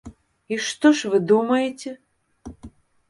І што ж вы думаеце?